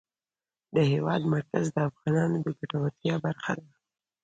د هېواد مرکز د افغانانو د ګټورتیا برخه ده.